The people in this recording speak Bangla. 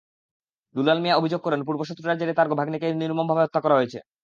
দুলাল মিয়া অভিযোগ করেন, পূর্বশত্রুতার জেরেই তাঁর ভাগনেকে নির্মমভাবে হত্যা করা হয়েছে।